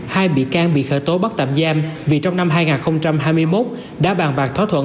hai bị can bị khởi tố bắt tạm giam vì trong năm hai nghìn hai mươi một đã bàn bạc thỏa thuận